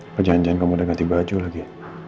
atau jangan jangan kamu udah ganti baju lagi